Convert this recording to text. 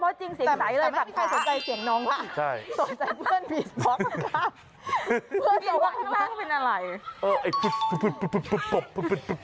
เพื่อนสุวรรค์ข้างล่างมันเป็นอะไร